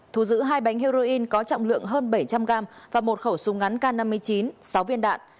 thu giữ hai bánh heroin có trọng lượng hơn bảy trăm linh gram và một khẩu súng ngắn k năm mươi chín sáu viên đạn